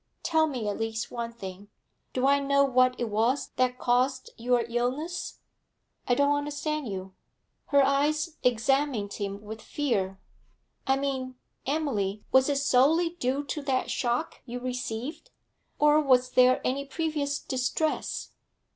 Tell me at least one thing. Do I know what it was that caused your illness?' 'I don't understand you.' Her eyes examined him with fear. 'I mean, Emily was it solely due to that shock you received? Or was there any previous distress?'